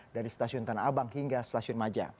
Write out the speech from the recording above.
dari stasiun tanah abang hingga stasiun maja